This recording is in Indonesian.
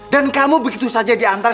dan kamu begitu saja diantar